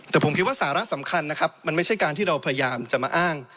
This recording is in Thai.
แต่ผมคิดว่าสาระสำคัญนะครับมันไม่ใช่การที่เราพยายามจะมาอ้าง